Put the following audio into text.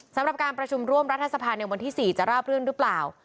สำหรับการประชุมร่วมรัฐสภาในวันที่๔จะราบรื่นหรือเปล่า